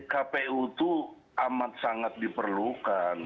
kpu itu amat sangat diperlukan